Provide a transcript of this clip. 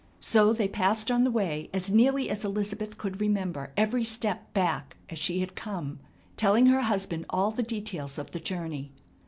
So they passed on the way as nearly as Elizabeth could remember every step back as she had come, telling her husband all the details of the journey.